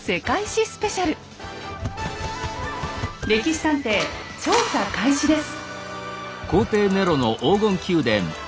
「歴史探偵」調査開始です。